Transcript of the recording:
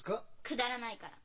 くだらないから。